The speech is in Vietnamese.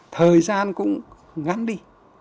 thời gian cũng ngắn đi